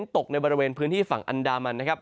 ตกในบริเวณพื้นที่ฝั่งอันดามันนะครับ